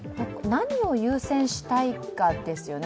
何を優先したいかですよね。